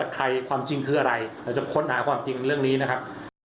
ความจริงคืออะไรเราจะค้นหาความจริงเรื่องนี้นะครับ